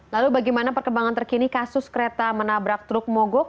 lalu bagaimana perkembangan terkini kasus kereta menabrak truk mogok